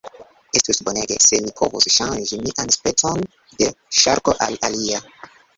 Estus bonege, se mi povus ŝanĝi mian specon de ŝarko al alia.